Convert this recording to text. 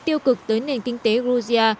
tiêu cực tới nền kinh tế georgia